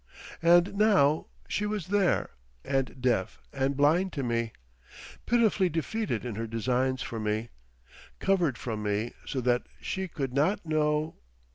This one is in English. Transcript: And now she was there and deaf and blind to me, pitifully defeated in her designs for me, covered from me so that she could not know....